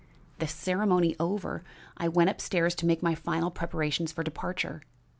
"The ceremony over, I went up stairs to make my final preparations for departure.